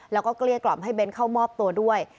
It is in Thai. แล้วก็เกลี้ยกล่อมให้เบ้นเข้ามอบตัวด้วย